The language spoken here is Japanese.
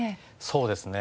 そうですね。